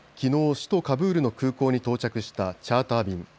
首都カブールの空港に到着したチャーター便。